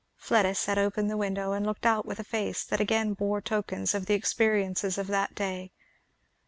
Fleda set open the window and looked out with a face that again bore tokens of the experiences of that day.